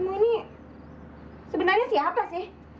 manggala putra dewa mbak ini siapa kocang cang sony